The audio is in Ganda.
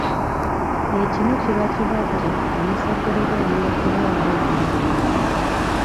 Ekinu kiba kibajje omusekulirwa ebyokulya ng’ebinyeebwa.